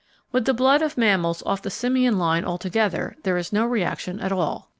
With the blood of mammals off the simian line altogether there is no reaction at all.